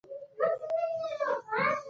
ایا ستاسو پالنه به سمه نه وي؟